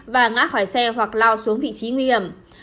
và ngã khỏi xe hoặc lao xuống vị trí nguy hiểm